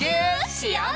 しようね！